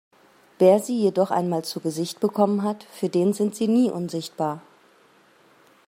Wer sie jedoch einmal zu Gesicht bekommen hat, für den sind sie nie unsichtbar.